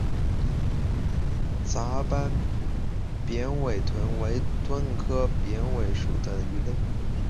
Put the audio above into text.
杂斑扁尾鲀为鲀科扁尾鲀属的鱼类。